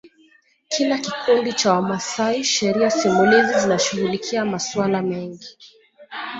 kila kikundi cha Wamasai Sheria simulizi zinashughulikia masuala mengi